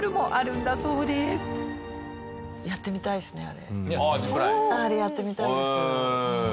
あれやってみたいです。